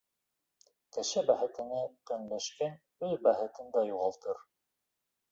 Кеше бәхетенә көнләшкән үҙ бәхетен дә юғалтыр.